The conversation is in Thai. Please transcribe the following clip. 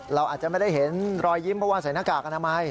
เราอาจจะไม่ได้เห็นรอยยิ้มเพราะว่าใส่หน้ากากอนามัย